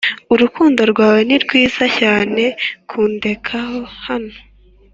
urukundo rwawe ni rwiza cyane kundeka hano